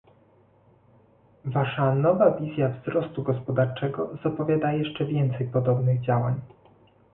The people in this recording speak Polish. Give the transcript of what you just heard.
Wasza nowa wizja wzrostu gospodarczego zapowiada jeszcze więcej podobnych działań